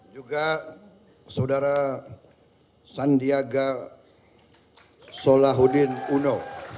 juga saudara sandiaga solahuddin uno